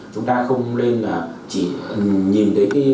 chúng ta không nên chỉ nhìn thấy